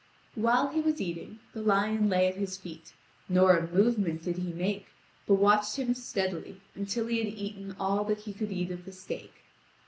While he was eating, the lion lay at his feet; nor a movement did he make, but watched him steadily until he had eaten all that he could eat of the steak.